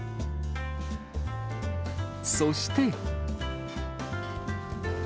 そして。